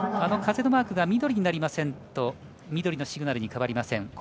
風のマークが緑にならないと緑のシグナルに変わりません。